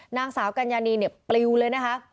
นางสาวกัญญานีเนี่ยปลิวเลยนะคะ